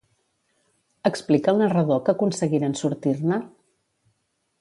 Explica el narrador que aconseguiren sortir-ne?